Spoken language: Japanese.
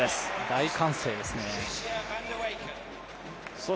大歓声ですね。